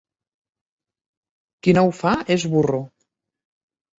Qui no ho fa és burro!